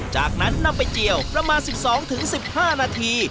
จากนั้นนำไปเจียวประมาณ๑๒๑๕นาที